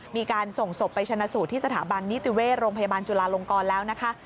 มีการส่งศพไปชนะสูตรที่สถาบันนิติเวชโรงพยาบาลจุลาลงกรแล้วนะคะ